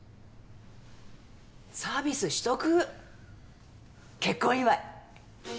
サービスしとく結婚祝い。